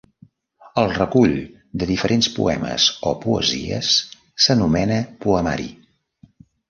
El recull de diferents poemes o poesies s'anomena poemari.